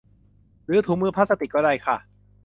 หรือถุงมือพลาสติกก็ได้ค่ะ